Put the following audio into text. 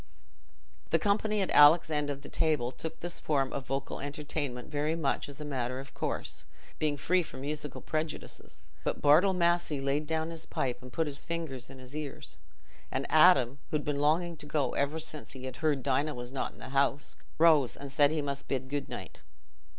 The company at Alick's end of the table took this form of vocal entertainment very much as a matter of course, being free from musical prejudices; but Bartle Massey laid down his pipe and put his fingers in his ears; and Adam, who had been longing to go ever since he had heard Dinah was not in the house, rose and said he must bid good night.